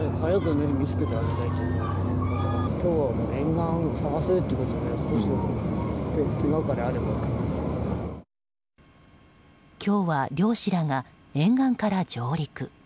今日は漁師らが沿岸から上陸。